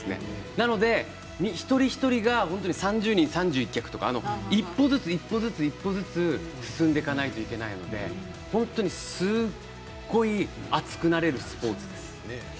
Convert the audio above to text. なので一人一人が３０人３１脚一歩ずつ、一歩ずつ進んでいかないといけないのですごい熱くなれるスポーツです。